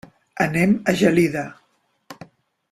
Anem a Gelida.